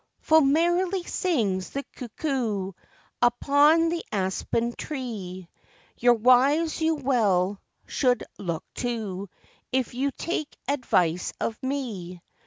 Full merrily sings the cuckoo Upon the aspen tree; Your wives you well should look to, If you take advice of me.